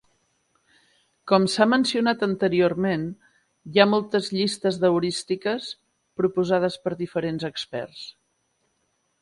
Com s'ha mencionat anteriorment, hi ha moltes llistes d'heurístiques proposades per diferents experts.